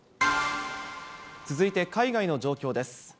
続いて海外の状況です。